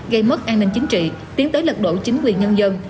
gây mất an ninh chính trị tiến tới lật đổ chính quyền nhân dân